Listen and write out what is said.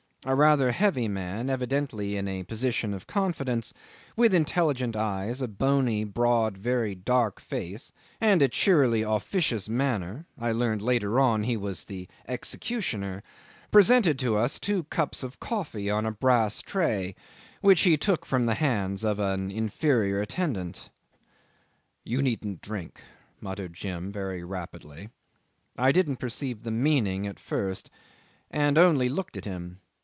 A rather heavy man, evidently in a position of confidence, with intelligent eyes, a bony, broad, very dark face, and a cheerily officious manner (I learned later on he was the executioner), presented to us two cups of coffee on a brass tray, which he took from the hands of an inferior attendant. "You needn't drink," muttered Jim very rapidly. I didn't perceive the meaning at first, and only looked at him.